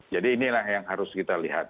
jadi inilah yang harus kita lihat